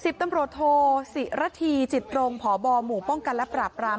สิบตำรวจโทรสี่นาทีจิตรงผอบอหมู่ป้องกันและปราบราม